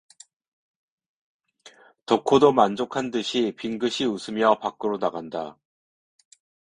덕호도 만족한 듯이 빙긋이 웃으며 밖으로 나간다.